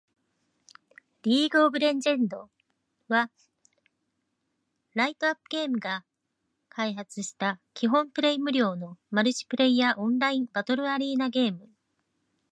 リーグ・オブ・レジェンド』（League of Legends、略称: LoL（ ロル））は、ライアットゲームズが開発した基本プレイ無料のマルチプレイヤーオンラインバトルアリーナゲーム